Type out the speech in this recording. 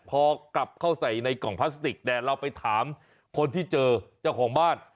พอกลับเข้าใส่ในกล่องพลาสติกแต่เราไปถามคนที่เจอเจ้าของบ้าน